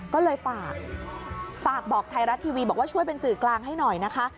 ก็เลยฝากฝากบอกไทยรัฐทีวีบอกว่าช่วยเป็นสื่อกลางให้หน่อยนะคะ